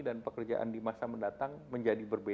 dan pekerjaan di masa mendatang menjadikan perubahan